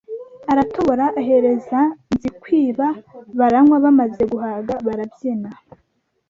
aratobora ahereza Nzikwiba baranywa bamaze guhaga barabyina.